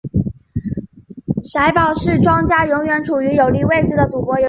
骰宝是庄家永远处于有利位置的赌博游戏。